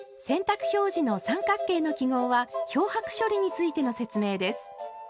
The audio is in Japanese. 洗濯表示の三角形の記号は漂白処理についての説明です。